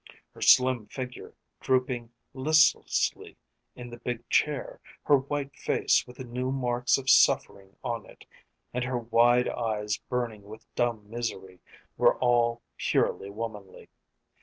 Her slim figure drooping listlessly in the big chair, her white face with the new marks of suffering on it, and her wide eyes burning with dumb misery, were all purely womanly.